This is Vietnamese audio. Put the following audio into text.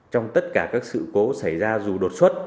trong tất cả các sự cố xảy ra dù đột xuất